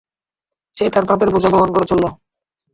সে তার পাপের বোঝা বহন করে চললো।